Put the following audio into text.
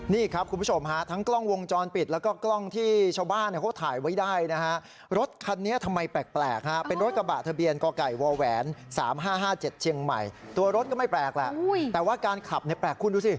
นี่ครับคุณผู้ชมฮะทั้งกล้องวงจรปิดแล้วก็กล้องที่ชาวบ้านเขาถ่ายไว้ได้นะฮะรถคันนี้ทำไมแปลกฮะเป็นรถกระบะทะเบียนกไก่วแหวน๓๕๕๗เชียงใหม่ตัวรถก็ไม่แปลกแหละแต่ว่าการขับเนี่ยแปลกคุณดูสิ